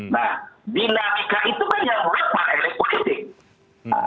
nah dinamika itu kan yang luar para elektrik politik